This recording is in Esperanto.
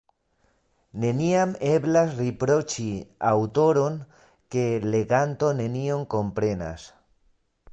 Neniam eblas riproĉi aŭtoron, ke leganto nenion komprenas.